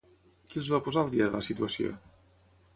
Qui els va posar al dia de la situació?